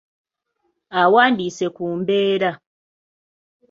Awandiise ku mbeera.